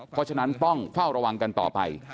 เพราะฉะนั้นต้องเฝ้าระวังกันต่อไป